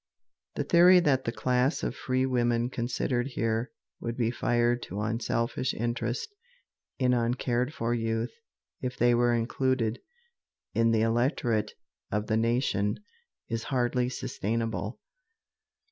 The theory that the class of free women considered here would be fired to unselfish interest in uncared for youth if they were included in the electorate of the nation is hardly sustainable.